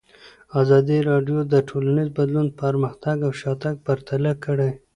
ازادي راډیو د ټولنیز بدلون پرمختګ او شاتګ پرتله کړی.